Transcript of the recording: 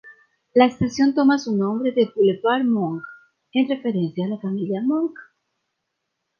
La estación toma su nombre del Boulevard Monk, en referencia a la familia Monk.